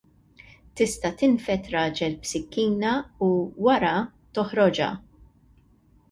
Tista' tinfed raġel b'sikkina u, wara, toħroġha.